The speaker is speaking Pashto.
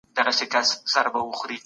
سیاست پوهنه د یو نوي انقلاب پیل دی.